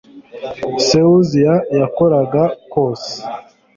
se uziya yakoraga kose